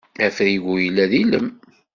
Afrigu yella d ilem.